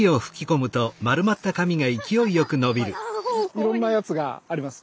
いろんなやつがあります。